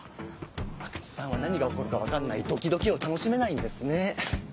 阿久津さんは何が起こるか分かんないドキドキを楽しめないんですね。